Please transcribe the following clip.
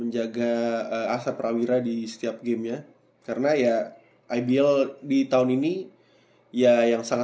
jadi kalau tahun lalu